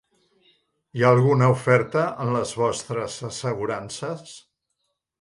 Hi ha alguna oferta en les vostres assegurances?